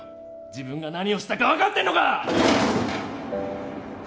自分が何をしたか分かってんのか！